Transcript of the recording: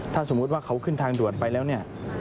ถ้าสมมุติว่าเขาขึ้นทางด่วนไปแล้วเนี่ย